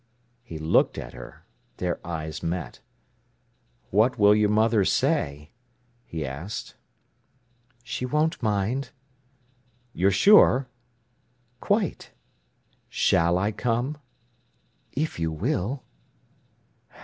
He looked at her. Their eyes met. "What will your mother say?" he asked. "She won't mind." "You're sure?" "Quite!" "Shall I come?" "If you will."